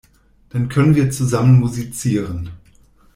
Dann könnten wir zusammen musizieren.